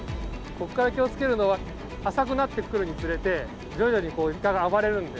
ここから気をつけるのは浅くなってくるにつれて徐々にイカが暴れるんですごい